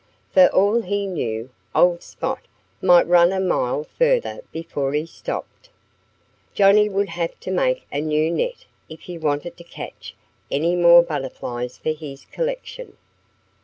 For all he knew, old Spot might run a mile further before he stopped. Johnnie would have to make a new net if he wanted to catch any more butterflies for his collection.